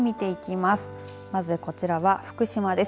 まずこちらは福島です。